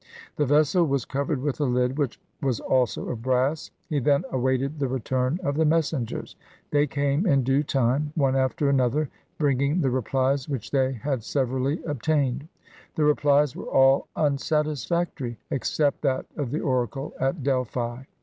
The vessel was covered with a lid, which was also of brass. He then awaited the return of the messengers. They came in due time, one after another, bringing the repKes which they had severally obtained. The replies were all unsatisfac tory, except that of the oracle at Delphi.